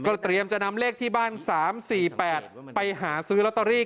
เตรียมจะนำเลขที่บ้าน๓๔๘ไปหาซื้อลอตเตอรี่